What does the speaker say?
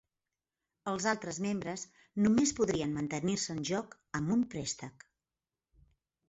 Els altres membres només podrien mantenir-se en joc amb un préstec.